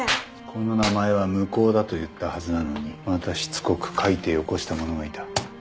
この名前は無効だと言ったはずなのにまたしつこく書いてよこした者がいた。